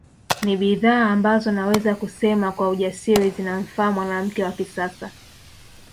Ni bidhaa ambazo naweza kusema kwa ujasiri zinamfaa mwanamke wa kisasa